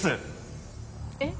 えっ？